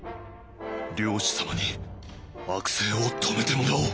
「領主様に悪政を止めてもらおう」。